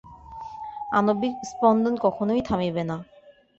আণবিক স্পন্দন কখনই থামিবে না।